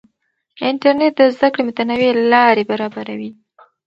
انټرنیټ د زده کړې متنوع لارې برابروي.